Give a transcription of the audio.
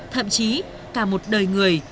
thậm chí cả một đời người